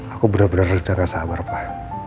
aku bener bener udah gak sabar pak